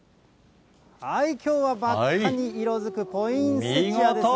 きょうは真っ赤に色づくポインセチアです。